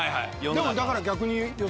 でもだから逆に。